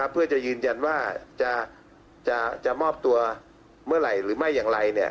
เพื่อจะยืนยันว่าจะมอบตัวเมื่อไหร่หรือไม่อย่างไร